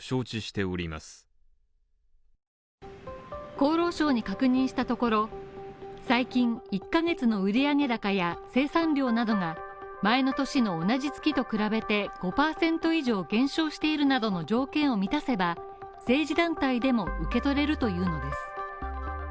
厚労省に確認したところ、最近１ヶ月の売上高や生産量などが前の年の同じ月と比べて５％以上減少しているなどの条件を満たせば、政治団体でも受け取れるというものです。